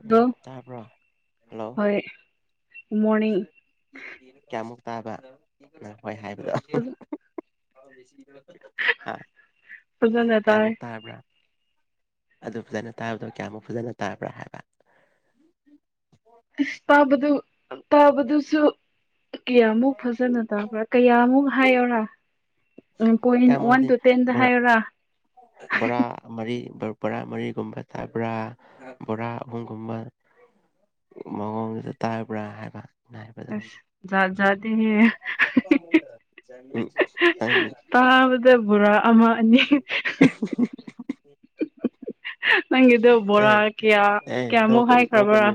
ꯑꯗꯣ ꯎꯝ ꯇꯥꯕ꯭ꯔꯣ ꯍꯜꯂꯣ ꯍꯣꯏ ꯃꯣꯔꯅꯤꯡ ꯀꯌꯥꯃꯨꯛ ꯇꯥꯕ ꯏꯪ ꯍꯣꯏ ꯍꯥꯏꯕꯗꯣ ꯍꯥ ꯐꯖꯅ ꯇꯥꯏ ꯀꯌꯥꯃꯛ ꯇꯥꯕ꯭ꯔꯥ ꯑꯗꯨ ꯐꯖꯅ ꯇꯥꯕꯗꯣ ꯀꯌꯥꯃꯨꯛ ꯐꯖꯅ ꯇꯥꯕ꯭ꯔꯥ ꯍꯥꯏꯕ ꯑꯁ ꯇꯥꯕꯗꯨ ꯇꯥꯕꯗꯨꯁꯨ ꯀꯌꯥꯃꯨꯛ ꯐꯖꯅ ꯇꯥꯕ꯭ꯔꯥ ꯀꯌꯥꯃꯨꯛ ꯍꯥꯏꯌꯣꯔꯥ ꯎꯝ ꯄꯣꯏꯟ ꯋꯥꯟ ꯀꯌꯥꯃꯨꯛꯗꯤ ꯇꯨ ꯇꯦꯟꯗ ꯕꯣꯔꯥ ꯍꯥꯏꯌꯣꯔꯥ ꯕꯣꯔꯥ ꯃꯔꯤ ꯕꯣꯔꯥ ꯃꯔꯤꯒꯨꯝꯕ ꯇꯥ ꯕ꯭ꯔꯥ ꯕꯣꯔꯥ ꯑꯍꯨꯝꯒꯨꯝꯕ ꯃꯑꯣꯡꯗ ꯇꯥꯏꯕ꯭ꯔꯥ ꯍꯥꯏꯕ ꯑꯁ ꯖꯥꯠ ꯖꯥꯠꯅꯤꯍꯦ ꯑꯩ ꯇꯥꯕꯗ ꯕꯣꯔꯥ ꯑꯃ ꯑꯅꯤ ꯅꯪꯒꯤꯗꯣ ꯑꯦ ꯕꯣꯔꯥ ꯀꯌꯥ ꯑꯦ ꯀꯌꯥꯃꯨꯛ ꯅꫭꯛꯅꯨ ꯍꯥꯏꯈ꯭ꯔꯕ꯭ꯔꯥ ꯅꫭꯛꯀꯅꯨ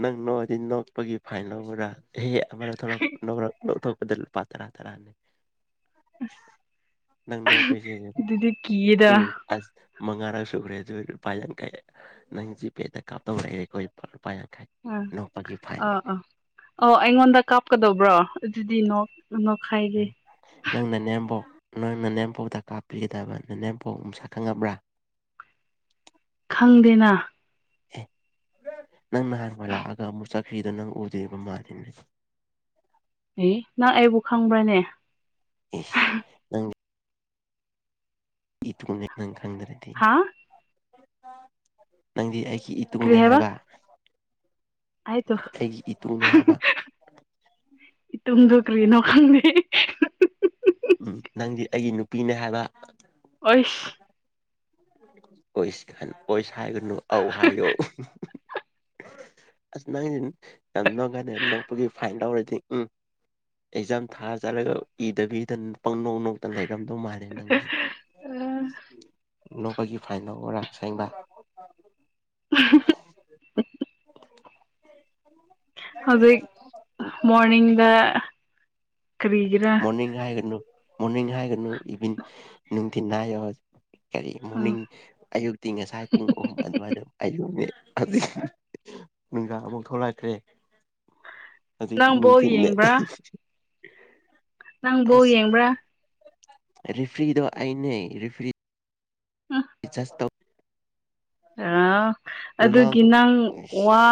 ꯅꯪ ꯅꯣꯛꯑꯗꯤ ꯅꯣꯛꯄꯒꯤ ꯐꯥꯏꯟ ꯂꯧꯕ꯭ꯔꯥ ꯍꯦ ꯑꯃꯔꯥ ꯊꯂꯛ ꯅꯔ ꯂꯧꯊꯣꯛꯄꯗ ꯄꯇꯔꯥ ꯇꯔꯥꯅꯤ ꯑꯁ ꯅꯪꯅ ꯄꯩꯁꯦꯁꯦ ꯑꯗꯨꯗꯤ ꯀꯤꯌꯦꯗ ꯎꯝ ꯑꯁ ꯃꯉꯥꯔ ꯁꯨꯈ꯭ꯔꯦ ꯑꯗꯨ ꯑꯣꯏ ꯂꯨꯄꯥ ꯌꯥꯡꯈꯩ ꯅꯪ ꯖꯤꯄꯦꯗ ꯀꯥꯞꯇꯧꯔꯛꯑꯦ ꯑꯩꯈꯣꯏ ꯂꯨꯄꯥ ꯌꯥꯡꯈꯩ ꯎꯝ ꯅꯣꯛꯄꯒꯤ ꯐꯥꯏꯟ ꯑꯥ ꯑꯥ ꯑꯣ ꯑꯩꯉꯣꯟꯗ ꯀꯥꯞꯀꯗꯧꯕ꯭ꯔꯣ ꯑꯗꯨꯗꯤ ꯅꯣꯛ ꯅꯣꯛꯈꯥꯏꯒꯦ ꯅꯪ ꯅ ꯅꯦꯝꯕꯣꯛ ꯅꯪ ꯅꯅꯦꯝꯄꯧꯇ ꯀꯥꯞꯄꯤꯒꯗꯕ ꯅꯅꯦꯝꯄꯣꯛ ꯑꯃ ꯁꯛ ꯈꯪꯉꯕ꯭ꯔꯥ ꯈꯪꯗꯦꯅ ꯑꯦ ꯅꯪ ꯅꯍꯥꯟꯋꯥ ꯂꯥꯛꯑꯒ ꯑꯃꯨꯛ ꯆꯠꯈ꯭ꯔꯤꯗ ꯅꯪ ꯎꯗꯣꯏꯔꯤꯕ ꯃꯥꯜꯂꯤꯅꯦ ꯑꯦ ꯅꯪ ꯑꯩꯕꯨ ꯈꯪꯕ꯭ꯔꯅꯦ ꯏꯁ ꯏ ꯅꯪ ꯈꯪꯗ꯭ꯔꯗꯤ ꯍꯥ ꯅꯪꯗꯤ ꯑꯩꯒꯤ ꯇꯨꯡꯅꯤ ꯍꯥꯏꯕ ꯍꯥꯏꯇꯣ ꯑꯩꯒꯤ ꯏꯇꯨꯅꯦ ꯍꯥꯏꯕ ꯏꯇꯨꯡꯗꫭ ꯀ꯭ꯔꯤ ꯅꯣ ꯈꯪꯗꯤ ꯎꯝ ꯅꯪꯗꯤ ꯑꯩꯒꯤ ꯅꯨꯄꯤꯅꯦ ꯍꯥꯏꯕ ꯑꯣꯏꯁ ꯑꯣꯏꯁ ꯑꯣꯏꯁ ꯍꯥꯏꯒꯅꯨ ꯑꯧ ꯍꯥꯏꯌꯣ ꯑꯁ ꯅꯪꯁ ꯌꯥꯝ ꯅꯣꯛꯀꯂ ꯅꯣꯛꯄꯒꯤ ꯐꯥꯏꯟ ꯂꯧꯔꯗꯤ ꯎꯝ ꯑꯦꯛꯖꯥꯝ ꯊꯥ ꯆꯠꯂꯒ ꯏꯗꯕꯤꯗꯅ ꯄꯪ ꯅꯣꯛ ꯅꯣꯛꯇ ꯂꯩꯔꯝꯗꯧ ꯃꯥꯜꯂꯦ ꯅꯪꯁꯦ ꯅꯣꯛꯧꯕꯒꯤ ꯐꯥꯏꯜ ꯑꯣꯏꯔꯥ ꯁꯦꯡꯕ ꯎ [unintelligible] ꯍꯧꯖꯤꯛ ꯃꯣꯔꯅꯤꯡꯗ ꯀꯔꯤꯒꯤꯔꯥ ꯃꯣꯔꯅꯤꯡ ꯍꯥꯏꯒꯅꯨ ꯃꯣꯔꯅꯤꯡ ꯍꯥꯏꯒꯅꯨ ꯏꯚꯅꯤꯡ ꯅꯨꯡꯊꯤꯤꯟ ꯍꯥꯏꯌ ꯀꯔꯤ ꯎꯝ ꯃꯣꯔꯅꯤꯡ ꯑꯌꯨꯛꯇꯤ ꯉꯁꯥꯏ ꯄꯨꯡ ꯑꯍꯨꯝ ꯑꯗꯨꯋꯥꯏ ꯑꯗꯨꯝ ꯑꯩ ꯌꯣꯟꯗꯤ ꯅꯨꯡꯗꯥꯥꯐꯧ ꯊꯣꯛꯂꯛꯈ꯭ꯔꯦ ꯅꯪ ꯕꯣꯜ ꯑꯗꯟꯅꯦ ꯌꯦꯡꯕ꯭ꯔꯥ ꯅꯪ ꯕꯣꯜ ꯑꯁ ꯌꯦꯡꯕ꯭ꯔꯥ ꯔꯦꯐ꯭ꯔꯤꯗꯣ ꯑꯩꯅꯦ ꯔꯦꯐ꯭ꯔꯤ ꯎꯝ [unintelligible] ꯑꯥ ꯑꯗꯨꯒꯤ ꯔꯣꯅꯥꯜꯗꯣ ꯅꯪ ꯋꯥ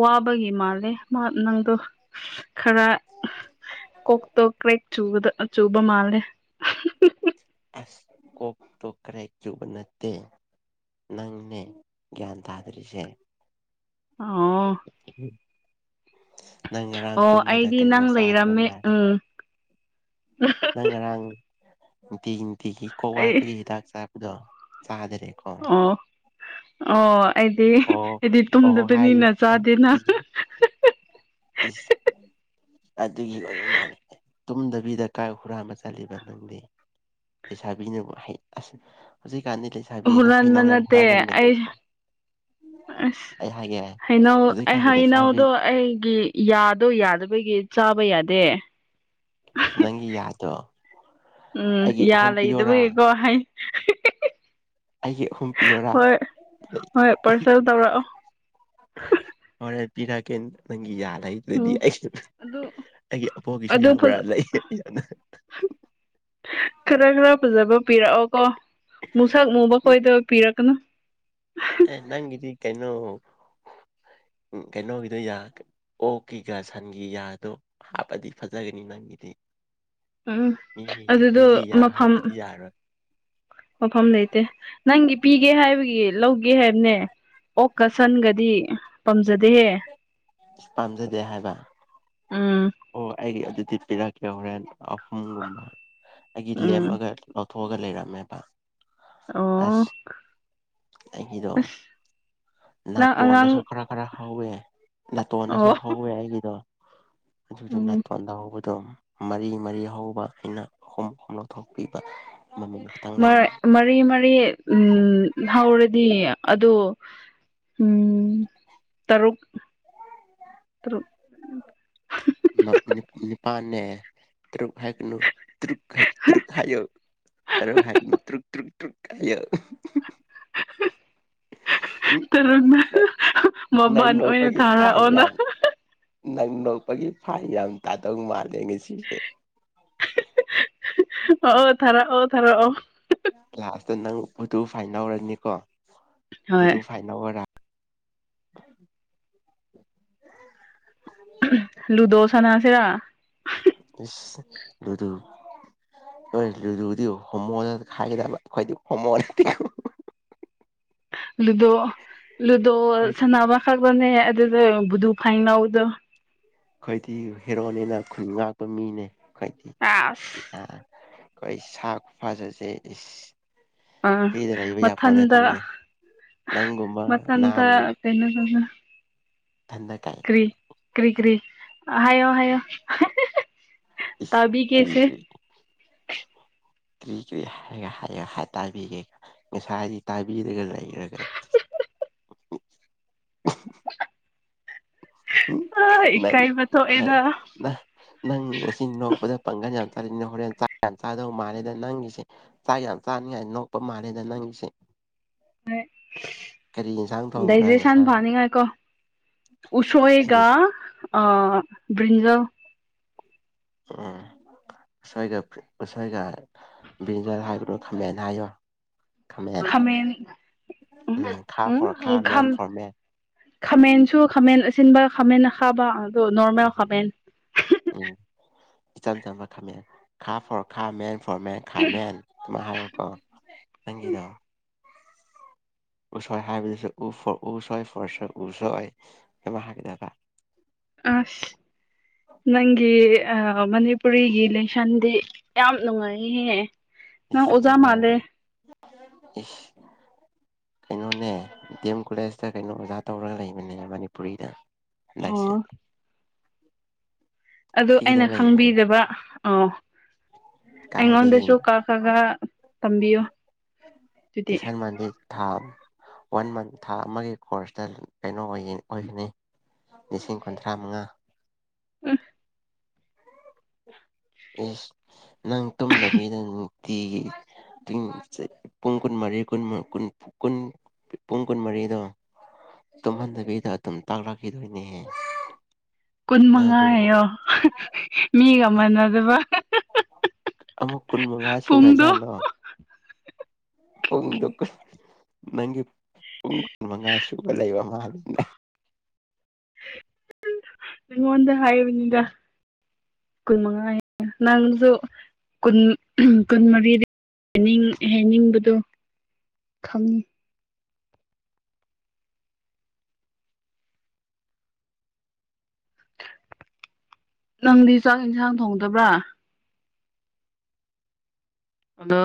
ꯋꯥꯕꯒꯤ ꯃꯥꯜꯂꯦ ꯃꯥ ꯅꯪꯗꯣ ꯈꯔ ꯀꯣꯛꯇꯣ ꯀ꯭ꯔꯦꯛ ꯆꯨꯕꯗ ꯆꯨꯕ ꯃꯥꯜꯂꯦ ꯑꯁ ꯀꯣꯛꯇꯣ ꯀ꯭ꯔꯦꯛ ꯆꯨꯕ ꯅꯠꯇꯦ ꯅꯪꯅꯦ ꯒ꯭ꯌꯥꯟ ꯇꯥꯗ꯭ꯔꯤꯁꯦ ꯑ ꯅꯪ ꯉꯔꯥꯡ ꯑꯣ ꯇꯨꯝꯕꯗ ꯑꯩꯗꯤ ꯀꯩꯅꯣ ꯅꯪ ꯆꯥꯗꯕ ꯂꯩꯔꯝꯃꯦ ꯃꯥꯜꯂꯦ ꯎꯝ ꯅꯪ ꯉꯔꯥꯡ ꯅꯨꯡꯇꯤꯒꯤ ꯅꯨꯡꯇꯤꯒꯤ ꯀꯣꯛ ꯑꯩ ꯋꯥꯠꯄꯒꯤ ꯍꯤꯗꯥꯛ ꯆꯥꯄꯗꯣ ꯆꯥꯗꯔꯦ ꯑꯣ ꯑꯣ ꯑꯩꯗꯤ ꯑꯣ ꯑꯩꯗꯤ ꯑꯣ ꯍꯥꯏꯗꯤ ꯇꯨꯝꯗꯕꯅꯤꯅ ꯑꯩꯅ ꯆꯥꯗꯦꯅ ꯄꯤ ꯏꯁ ꯑꯗꯨꯒꯤ ꯑꯣꯏꯕ ꯃꯥꯜꯂꯦ ꯇꯨꯝꯗꯕꯤꯗ ꯀꯥꯏ ꯍꯨꯔ ꯑꯃ ꯆꯠꯂꯤꯕ ꯅꯪꯗꯤ ꯂꯩꯁꯥꯕꯤꯅꯕ ꯍ ꯑꯁ ꯍꯧꯖꯤꯛꯀꯥꯟꯗꯤ ꯂꯩꯁꯥꯕꯤꯁꯦ ꯍꯨꯔꯟ ꯃ ꯍꯩꯅꯧ ꯌꯥꯝ ꯅꯠꯇꯦ ꯑꯩ ꯍꯨꯔꯥꯟꯒꯟꯕꯅꯦꯀꯣ ꯑꯁ ꯑꯩ ꯍꯥꯏꯒꯦ ꯍꯩꯅꯎ ꯍꯧꯖꯤꯛꯀꯥꯟꯒꯤ ꯂꯩꯁꯥꯕꯤ ꯍꯩꯅꯎꯗꯣ ꯑꯩꯒꯤ ꯌꯥꯗꯣꯏ ꯌꯥꯗꯕꯒꯤ ꯆꯥꯕ ꯌꯥꯗꯦ ꯅꯪꯒꯤ ꯌꯥꯗꯣ ꯎꯝ ꯑꯩꯒꯤ ꯌꯥ ꯑꯍꯨꯝ ꯄꯤꯌꯣꯔꯥ ꯂꯩꯗꯕꯒꯤꯀꯣ ꯍꯥꯏ ꯑꯩꯒꯤ ꯑꯍꯨꯝ ꯄꯤꯌꯣꯔꯥ ꯍꯣꯏ ꯍꯣꯏ ꯄꯥꯔꯁꯦꯜ ꯇꯧꯔꯛꯑꯣ ꯍꫭꯔꯦꯟ ꯄꯤꯔꯀꯦ ꯅꯪ ꯌꯥꯗꯥꯏ ꯑꯗꯨꯗꯗꯤ ꯎꯝ ꯑꯩꯁꯨ ꯑꯗꯨ ꯑꯩꯒꯤ ꯑꯄꯣꯒꯤꯁꯨ ꯑꯗꯨ ꯌꯥꯕ꯭ꯔꯥ ꯈꯔ ꯂꯩ ꯌꯥꯝꯅ ꯈꯔ ꯈꯔ ꯐꯖꯕ ꯄꯤꯔꯛꯑꯣ ꯀꯣ ꯃꯨꯁꯛ ꯃꯨꯕ ꯀꯣꯏꯗꯕ ꯄꯤꯔꯛꯀꯅꯨ ꯑꯦ ꯅꯪꯒꯤꯗꯤ ꯀꯩꯅꯣ ꯎ ꯀꯩꯅꯣꯒꯤꯗꯣꯏ ꯑꯣ ꯀꯦꯒꯥ ꯁꯟꯒꯤ ꯌꯥꯗꯣ ꯍꯥꯞꯄꯗꯤ ꯐꯖꯒꯅꯤ ꯅꯪꯒꯤꯗꯤ ꯎꯝ ꯃꯤꯒꯤ ꯑꯗꯨꯗꯣ ꯃꯤꯒꯤ ꯌꯥ ꯃꯐꯝ ꯍꯥꯞꯄꯗꯤ ꯌꯥꯔꯣꯏ ꯃꯐꯝ ꯂꯩꯇꯦ ꯅꯪꯒꯤ ꯄꯤꯒꯦ ꯍꯥꯏꯕꯒꯤ ꯂꯧꯒꯦ ꯍꯥꯏꯕꯅꯦ ꯑꯣꯛꯀ ꯁꯟꯒꯗꯤ ꯄꯥꯝꯖꯗꯦꯍꯦ ꯄꯥꯝꯖꯗꯦ ꯍꯥꯏꯕ ꯎꯝ ꯑꯣ ꯑꯩꯒꯤ ꯑꯗꯨꯗꯤ ꯄꯤꯔꯛꯀꯦ ꯍꯣꯔꯦꯟ ꯑꯍꯨꯝꯒꯨꯝꯕ ꯑꯩꯒꯤ ꯎꯝ ꯂꯦꯝꯃꯒ ꯊꯣꯛꯑꯒ ꯂꯩꯔꯝꯃꯦꯕ ꯑꯣ ꯑꯁ ꯑꯩꯒꯤꯗꯣ ꯑꯁ ꯅꯪ ꯑꯉꯥꯡ ꯅꯥꯇꯣꯟꯗꯁꯨ ꯈꯔ ꯈꯔ ꯍꯧꯋꯦ ꯅꯥꯇꯣꯟꯗꯁꯨ ꯑꯣ ꯍꯧꯋꯦ ꯑꯩꯒꯤꯗꯣ ꯑꯗꯨ ꯎꯝ ꯅꯥꯇꫭ ꯂꯣꯟꯗꯥ ꯍꯧꯕꯗꯣ ꯃꯔꯤ ꯃꯔꯤ ꯍꯧꯕ ꯑꯩꯅ ꯑꯍꯨꯝ ꯑꯍꯨꯝ ꯂꯧꯊꯣꯛꯄꯤꯕ ꯑꯃꯃꯝ ꯈꯛꯇꯪ ꯂꯩꯕ ꯃꯔꯤ ꯃꯔꯤ ꯎꯝ ꯍꯧꯔꯗꯤ ꯑꯗꯨ ꯎꯝ ꯇꯔꯨꯛ ꯇꯔꯨꯛ ꯅꯤꯄꯥꯥꯟꯅꯦ ꯇꯛꯅ ꯇꯨꯛ ꯇꯛ ꯇꯔ ꯇꯛ ꯇꯛ ꯇꯛ [unintelligible] ꯎꯝ ꯇꯔꯨꯛꯅ ꯃꯃꯜ ꯑꯣꯏꯅ ꯅꯪꯅꯧꯕꯒꯤ ꯐꯥꯏ ꯊꯥꯔꯛꯑꯣꯅ ꯌꯥꯝ ꯅꯪ ꯅꯣꯛꯄꯒꯤ ꯐꯥꯏ ꯌꯥꯝ ꯇꯥꯗꯧ ꯃꯥꯜꯂꯦ ꯉꯁꯤꯁꯦ ꯑꯣ ꯊꯥꯔꯣ ꯑꯣ ꯊꯥꯔ ꯑꯣ ꯂꯥꯁꯇ ꯅꯪ ꯚꯗꯨ ꯐꯥꯏꯟꯔꯅꯤꯀꯣ ꯍꯣꯏ ꯚꯗꯨ ꯐꯥꯏꯟꯔꫭꯔꯥ ꯂꯨꯗꯣ ꯁꯅꯁꯤꯔꯥ ꯏꯁ ꯂꯨꯗꯨ ꯂꯨꯨꯗꯨꯗꯤ ꯍꯨꯃꫭ ꯈꯥꯏꯒꯦꯗ ꯈꯥꯏꯅ [inaudible] ꯂꯨꯗꯣ ꯂꯨꯗꯣ ꯑꯩꯈꯣꯏꯗꯤ ꯁꯥꯟꯅꯕ ꯈꯛꯇꯅꯦ ꯑꯗꯨꯗ ꯕꯨꯗꯨ ꯐꯥꯏꯟ ꯂꯧꯎꯗꯣ ꯑꯩꯈꯣꯏꯗꯤ ꯍꯦꯔꯣꯅꯤꯅ ꯈꯨꯟ ꯉꯥꯛꯄ ꯃꯤꯅꯦ ꯑꯩꯈꯣꯏꯗꯤ ꯑꯥꯁ ꯑ ꯑꯩꯈꯣꯏ ꯁꯥ ꯐ ꯆꯠꯁꯦ ꯑꯥ ꯐꯔꯤꯗ ꯂꯩꯕ ꯌꯥꯥꯄꯣꯅ ꯃꯊꯟꯗ ꯊꯅꯦ ꯅꯪꯒꯨꯝꯕ ꯃꯊꯟꯇ ꯅꯥꯟ ꯀꯩꯅꯣ ꯊꯗ ꯀꯥꯏ ꯀ꯭ꯔꯤ ꯀ꯭ꯔꯤ ꯍꯥꯏꯌꯣ ꯍꯥꯏꯌꯣ ꯀꯔꯤ ꯇꯥꯕꯤꯒꯦꯁꯦ ꯀꯔꯤ ꯀ꯭ꯔꯤꯒꯔꯤ ꯍꯥꯏꯔꯒ ꯍꯥꯏꯒ ꯍꯥꯏꯇꯥꯕꯤꯒꯦꯀ ꯉꯁꯥꯏꯗꯤ ꯇꯥꯏꯕꯤꯔꯒ ꯂꯩꯈꯔꯒ ꯎꯝ ꯏꯀꯥꯏꯕ ꯊꯣꯛꯑꯦꯗ ꯅꯪ ꯉꯁꯤ ꯅꯣꯛꯄꯗ ꯄꯥꯡꯒꯜ ꯌꯥꯝ ꯆꯅ ꯍꯣꯔꯦꯟ ꯌꯥꯝ ꯆꯥꯗꯧ ꯃꯥꯜꯂꯦꯗ ꯅꯪꯒꯤꯁꯦ ꯆꯥꯛ ꯌꯥꯝ ꯆꯥꯅꯤꯡꯉꯥꯏ ꯅꯣꯛꯄ ꯃꯥꯜꯂꯦꯗ ꯅꯪꯒꯤꯁꯦ ꯍꯣꯏ ꯀꯔꯤ ꯌꯦꯟꯁꯥꯡ ꯊꯣꯡꯕ꯭ꯔꯥ ꯗꯩꯖꯦꯁꯥꯟ ꯉꯁꯥꯏ ꯐꯅꯤꯉꯥꯏꯀꯣ ꯎꯁꯣꯑꯒ ꯑꯩꯒꯤꯁꯦ ꯑꯥ ꯕꯔꯤꯟꯖꯜ ꯎꯝ ꯉꯁꯣꯏꯒ ꯉꯁꯣꯏꯒ ꯕ꯭ꯟꯖꯔ ꯍꯥꯏꯕꯗꯨ ꯈꯝꯃꯦꯅ ꯍꯥꯏꯌꯣ ꯈꯥꯃꯦꯟ ꯎꯝ ꯈꯥ ꯐꯣꯔ ꯈꯥ ꯎꯝ ꯃꯦꯟ ꯈꯥꯝ ꯐꯣꯔ ꯃꯦꯟ ꯈꯥꯃꯦꯟꯁꯨ ꯈꯥꯃꯦꯟ ꯑꯁꯤ ꯑꯁꯤꯟꯕ ꯈꯥꯃꯦꯟ ꯈꯥꯕ ꯑꯣ ꯅꯣꯔꯃꯦꯜ ꯎꯝ ꯈꯥꯃꯦꯟ ꯎꯝ ꯏꯆꯝ ꯆꯝꯕ ꯈꯥꯃꯦꯟ ꯈꯥ ꯐꯣꯔ ꯈꯥ ꯃꯦꯟ ꯐꯣꯔ ꯃꯦꯟ ꯈꯥ ꯃꯦꯟ ꯑꯗꯨꯃꯥꯏ ꯍꯥꯏꯔꯣꯀꯣ ꯅꯪꯒꯤꯗꯣ ꯎꯁꯣꯏ ꯍꯥꯏꯕꯗꯨꯁꯨ ꯎ ꯐꯣꯔ ꯎ ꯁꯣꯏ ꯐꯣꯔ ꯁꯣꯏ ꯎ ꯁꯣꯏ ꯍꯥꯏꯒꯗꯕ ꯑꯁ ꯅꯪꯒꯤ ꯃꯅꯤꯄꯨꯔꯤꯒꯤ ꯂꯥꯏꯁꯟꯗꯤ ꯌꯥꯝ ꯅꯨꯡꯉꯥꯏꯍꯦ ꯏꯁ ꯅꯨꯡꯉꯥꯏꯕꯅꯦ ꯏꯁ ꯀꯩꯅꯣꯅꯦ ꯗꯤ ꯑꯦꯝ ꯀꯣꯂꯦꯖꯇ ꯀꯩꯅꯣ ꯑꯣꯖꯥ ꯇꯧꯔꯒ ꯂꯩꯕꯅꯦ ꯃꯅꯤꯄꯨꯔꯤꯗ ꯍꯟꯗꯛꯁꯦ ꯑꯣ ꯑꯗꯨ ꯐ꯭ꯔꯤꯗ ꯑꯩꯅ ꯂꯩꯕꯅꯦ ꯈꯪꯕꯤꯗꯕ ꯑꯣ ꯑꯩꯉꯣꯟꯗꯁꯨ ꯀ ꯀ ꯈ ꯀꯁꯥꯟ ꯃꯙ ꯊꯥ ꯋꯥꯟ ꯃꯟ ꯊꯥ ꯑꯃꯒꯤ ꯀꯣꯔꯁꯇ ꯀꯩꯅꯣ ꯑꯣꯏꯒꯅꯤ ꯂꯤꯁꯤꯡ ꯀꯨꯟꯊ꯭ꯔꯥ ꯃꯉꯥ ꯑꯥ ꯑꯦꯁ ꯅꯪ ꯇꯨꯝꯗꯕꯤꯗ ꯅꯨꯡꯇꯤꯒꯤ ꯄꯨꯡ ꯀꯨꯟꯃꯔꯤ ꯄꯨꯡ ꯀꯨꯟꯃꯔꯤꯗꯣ ꯇꯨꯝꯍꯟꯗꯕꯤꯗ ꯑꯗꯨꯝ ꯇꯥꯛꯂꯛꯈꯤꯗꯣꯏꯅꯦꯍꯦ ꯀꯨꯟ ꯅꯪ ꯃꯉꯥ ꯑꯗꯨꯕꯨ ꯍꯥꯏꯌꯣ ꯃꯤꯒ ꯃꯥꯟꯅꯗꯕ ꯑꯃꯨꯛ ꯀꯨꯟ ꯃꯉꯥ ꯄꯨꯡꯗꯣ ꯁꯒ꯭ꯔꯖꯂꯣ ꯄꯨꯡꯗꯨ ꯅꯪꯒꯤ ꯄꯨꯡ ꯀꯨꯟ ꯃꯉꯥ ꯁꯨꯕ ꯂꯩꯕ ꯃꯥꯜꯂꯤꯦ ꯅꯪꯣꯟꯗ ꯍꯥꯏꯕꯅꯤꯗ ꯀꯨꯜ ꯃꯉꯥ ꯅꯪꯁꯨ ꯨ ꯀꯨꯟꯃꯔꯤꯗꯅꯤꯡ ꯍꯥꯏꯅꯤꯡꯕꯗꯣ ꯈꯪꯉꯤ ꯅꯪꯗꯤ ꯆꯥꯛ ꯏꯟꯁꯥꯡ ꯊꯣꯡꯗꯕ꯭ꯔꯥ ꯑꯗꯣ